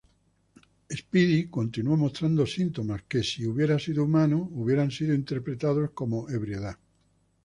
Speedy continúa mostrando síntomas que, si fuera humano, serían interpretadas como ebriedad.